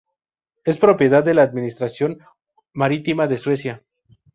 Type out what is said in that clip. Es propiedad de la Administración Marítima de Suecia.